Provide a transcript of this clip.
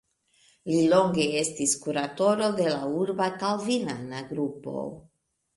Li longe estis kuratoro de la urba kalvinana grupo.